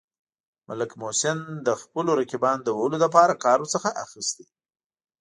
ملک محسن د خپلو رقیبانو د وهلو لپاره کار ورڅخه اخیست.